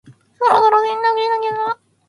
そろそろ洗濯しなきゃな。